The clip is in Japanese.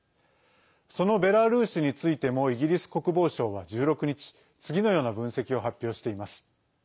そのベラルーシについてもイギリス国防省は１６日次のような分析を発表しています。